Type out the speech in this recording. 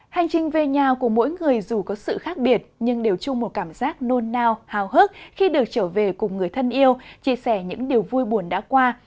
hành trình về nhà của mỗi người dù có sự khác biệt nhưng đều chung một cảm giác nôn nao hức khi được trở về cùng người thân yêu chia sẻ những điều vui buồn đã qua